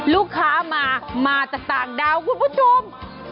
ลูกค้ามามาจากต่างดาวคุณผู้ชม